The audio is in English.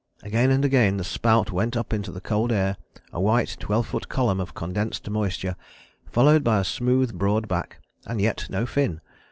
Again and again the spout went up into the cold air, a white twelve foot column of condensed moisture, followed by a smooth broad back, and yet no fin.